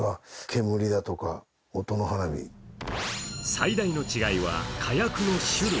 最大の違いは火薬の種類。